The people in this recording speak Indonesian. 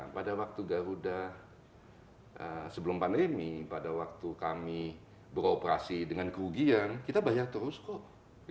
pada waktu garuda sebelum pandemi pada waktu kami beroperasi dengan kerugian kita bayar terus kok